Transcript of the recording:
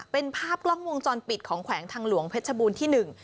เป็นภาพกล้องวงจรปิดของแขวงทางหลวงเพชรบูรณ์ที่หนึ่ง